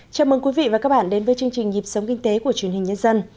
chào mừng quý vị và các bạn đến với chương trình nhịp sống kinh tế của truyền hình nhân dân